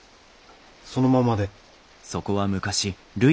そのままで。